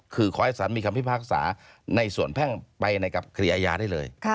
คือขอให้สารมีคำพิพากษาในส่วนแพ่งไปในกับคดีอาญาได้เลย